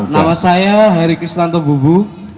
nama saya heri kristanto bubu